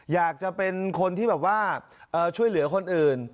อยากจะเป็นคนที่แบบว่าช่วยเหลือคนอื่น